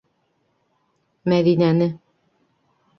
Мәҙинәне.